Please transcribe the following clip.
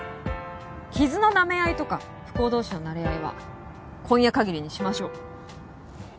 傷のなめ合いとか不幸同士のなれ合いは今夜かぎりにしましょう。